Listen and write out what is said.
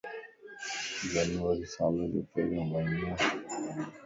جنوري سال ءَ جو پھريون مھينو ائي.